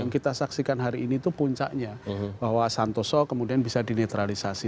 kita saksikan hari ini itu puncaknya bahwa santoso kemudian bisa dinetralisasi